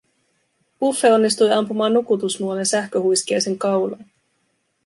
Uffe onnistui ampumaan nukutusnuolen sähköhuiskiaisen kaulaan.